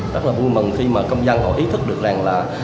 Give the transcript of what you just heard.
rất là vui mừng khi mà công dân họ ý thức được rằng là